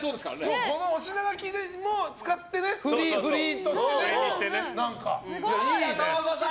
そのお品書きを使ってね振りとしてね。